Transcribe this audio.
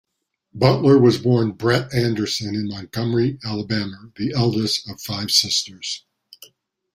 Butler was born Brett Anderson in Montgomery, Alabama, the eldest of five sisters.